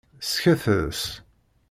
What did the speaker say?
Sketres.